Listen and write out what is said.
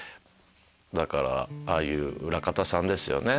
だからああいう裏方さんですよね。